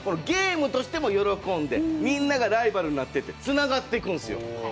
ゲームとしても喜んでみんながライバルになってつながっていくんですよ。